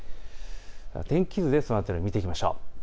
天気図でその辺りを見ていきましょう。